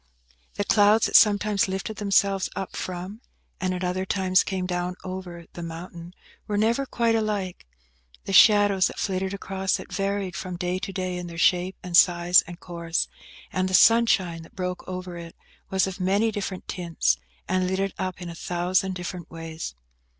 The clouds that sometimes lifted themselves up from, and at other times came down over, the mountain, were never quite alike. The shadows that flitted across it varied from day to day in their shape and size and course; and the sunshine that broke over it was of many different tints, and lit it up in a thousand different ways.